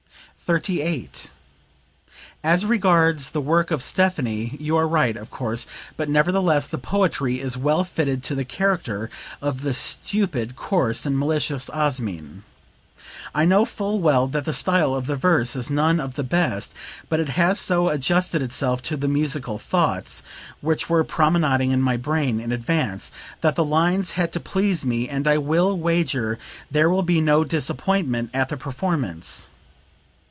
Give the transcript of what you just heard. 38. "As regards the work of Stephanie you are right, of course, but nevertheless the poetry is well fitted to the character of the stupid, coarse and malicious Osmin. I know full well that the style of the verse is none of the best, but it has so adjusted itself to the musical thoughts (which were promenading in my brain in advance) that the lines had to please me, and I will wager there will be no disappointment at the performance.